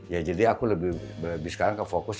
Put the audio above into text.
ya jadi aku lebih sekarang ke fokus